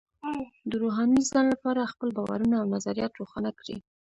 د روحاني ځان لپاره خپل باورونه او نظریات روښانه کړئ.